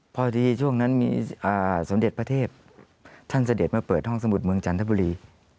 พอดีช่วงนั้นมีสมเด็จพระเทพท่านเสด็จมาเปิดห้องสมุทรเมืองจันทบุรี